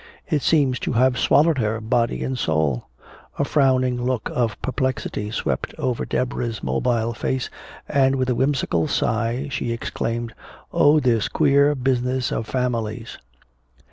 It seems to have swallowed her, body and soul." A frowning look of perplexity swept over Deborah's mobile face, and with a whimsical sigh she exclaimed, "Oh, this queer business of families!"